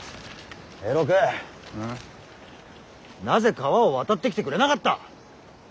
なぜ川を渡ってきてくれなかった！